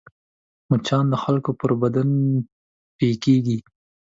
مچان د خلکو پر بدن پکېږي